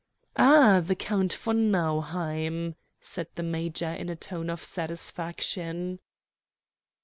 "Ah, the Count von Nauheim," said the major in a tone of satisfaction.